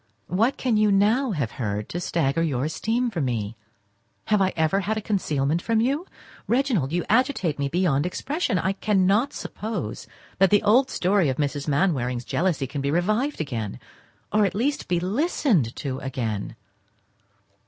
What can you now have heard to stagger your esteem for me? Have I ever had a concealment from you? Reginald, you agitate me beyond expression, I cannot suppose that the old story of Mrs. Mainwaring's jealousy can be revived again, or at least be listened to again.